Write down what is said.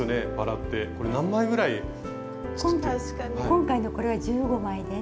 今回のこれは１５枚です。